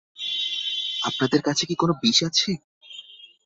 আপনাদের কাছে কি কোনো বিষ আছে?